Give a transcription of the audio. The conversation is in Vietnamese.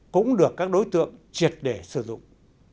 cũng được các đối tượng triệt để sử dụng